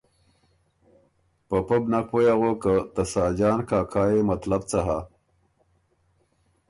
په پۀ بو نک پوی اغوک که ته ساجان کاکا يې مطلب څۀ هۀ۔